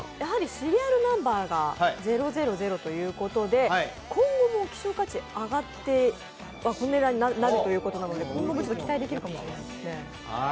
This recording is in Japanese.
シリアルナンバーが０００ということで今後も希少価値、上がっていくということなので今後も期待できるかもしれないですね。